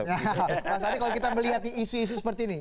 mas adi kalau kita melihat isu isu seperti ini